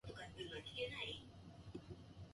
明日は大学の授業を受けに行きます。